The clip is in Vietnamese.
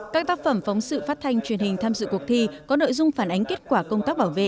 các tác phẩm phóng sự phát thanh truyền hình tham dự cuộc thi có nội dung phản ánh kết quả công tác bảo vệ